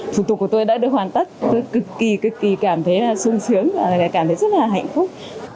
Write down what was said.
thủ tục của tôi đã được hoàn tất tôi cực kỳ cực kỳ cảm thấy sung sướng và cảm thấy rất là hạnh phúc